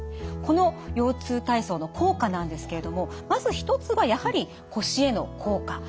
この腰痛体操の効果なんですけれどもまず１つがやはり腰への効果。